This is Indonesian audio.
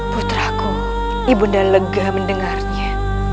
puteraku ibunda lega mendengarnya